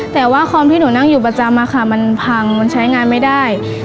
แต่ว่าความที่หนูนั่งอยู่ประจำอะค่ะมันพังมันใช้งานไม่ได้